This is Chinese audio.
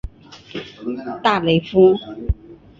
大雷夫。